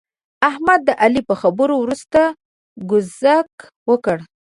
احمد د علي په خبرو ورسته ګذک وکړ.